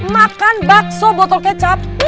makan bakso botol kecap